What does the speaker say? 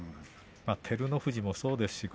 照ノ富士もそうです。